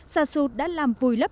sạt sụt đã làm vùi lớp hai